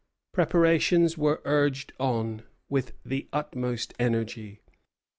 Preparations were urged on with the utmost energy.